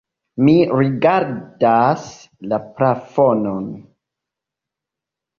Mi rigardas la plafonon.